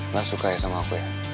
gak suka ya sama aku ya